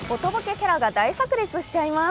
キャラが大さく裂しちゃいます。